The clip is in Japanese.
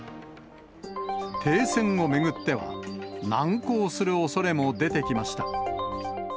停戦を巡っては、難航するおそれも出てきました。